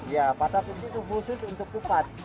ya patah itu khusus untuk kupat